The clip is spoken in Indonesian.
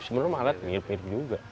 sebenarnya malah mirip mirip juga